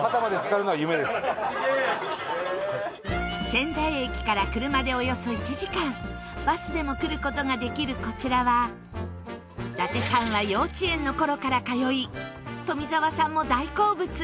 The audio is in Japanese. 仙台駅から車でおよそ１時間バスでも来る事ができるこちらは伊達さんは幼稚園の頃から通い富澤さんも大好物！